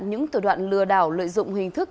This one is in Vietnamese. những tờ đoạn lừa đảo lợi dụng hình thức